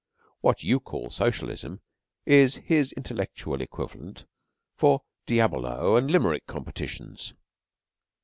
What you call Socialism is his intellectual equivalent for Diabolo and Limerick competitions.